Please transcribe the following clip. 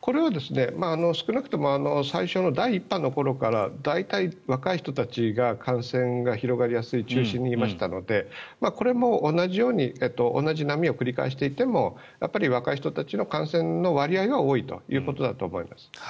これは少なくとも最初の第１波の頃から大体、若い人たちが感染が広がりやすい中心にいましたのでこれも同じように同じ波を繰り返していてもやっぱり若い人たちの感染の割合は多いということだと思います。